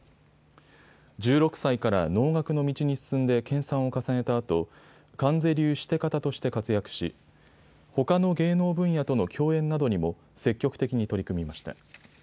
１６歳から能楽の道に進んで研さんを重ねたあと観世流シテ方として活躍しほかの芸能分野との共演などにも積極的に取り組みました。